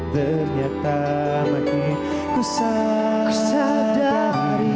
ternyata makin ku sadari